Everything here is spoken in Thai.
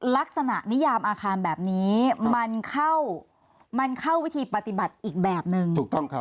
ลักษณะนิยามอาคารแบบนี้มันเข้ามันเข้าวิธีปฏิบัติอีกแบบนึง